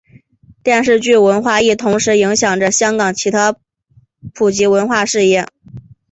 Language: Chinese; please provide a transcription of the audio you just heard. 电视剧文化亦同时影响着香港其他普及文化事业。